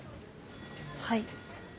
はい。